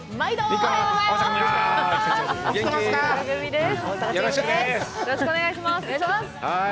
ハーイ、よろしくお願いします。